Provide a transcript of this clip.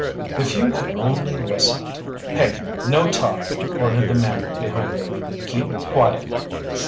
"If you had only listened—" "Hey, no talk!" ordered the man behind them. "Keep quiet!"